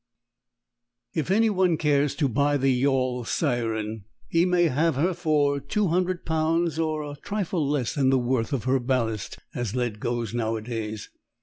If any one cares to buy the yawl Siren, he may have her for 200 pounds, or a trifle less than the worth of her ballast, as lead goes nowadays.